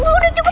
mas cukup cukup